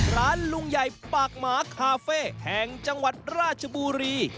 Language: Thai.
ร้านลุงใหญ่ปากหมาคาเฟ่แห่งจังหวัดราชบุรี